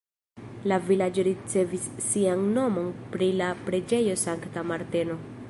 La vilaĝo ricevis sian nomon pri la preĝejo Sankta Marteno.